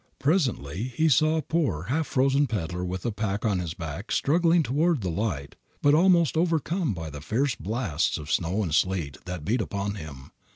Presently he saw a poor half frozen peddler with a pack on his back struggling toward the light, but almost overcome by the fierce blasts of snow and sleet that beat upon him.